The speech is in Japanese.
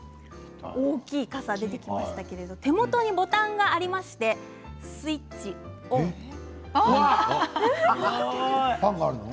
大きい傘が出てきましたけれども手元にボタンがありましてファンがあるの？